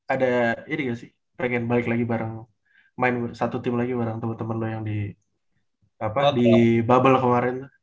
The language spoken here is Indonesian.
ada jadi gak sih pengen balik lagi bareng main satu tim lagi bareng temen temen lo yang di bubble kemarin